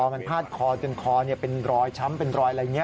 มันพาดคอจนคอเป็นรอยช้ำเป็นรอยอะไรอย่างนี้